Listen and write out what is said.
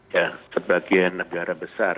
ya sebagian negara besar